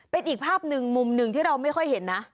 เป็นอีกภาพหนึ่งมุมหนึ่งที่เราไม่ค่อยเห็นนะ